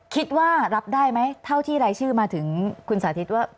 คิดว่ารับได้ไหมเท่าที่รายชื่อมาถึงคุณสาธิตว่า